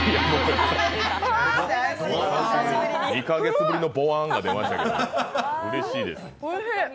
２カ月ぶりのぼわーんが出ました、うれしいです。